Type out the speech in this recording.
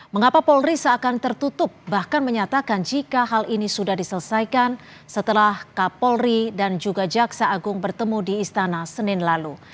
mengapa polri seakan tertutup bahkan menyatakan jika hal ini sudah diselesaikan setelah kapolri dan juga jaksa agung bertemu di istana senin lalu